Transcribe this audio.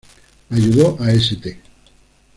Ayudó a St.